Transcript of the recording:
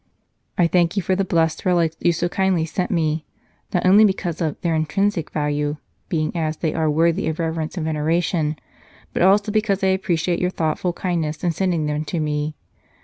" I thank you for the blessed relics you so kindly sent me, not only because of their intrinsic value, being as they are worthy of reverence and venera tion, but also because I appreciate your thoughtful kindness in sending them to me.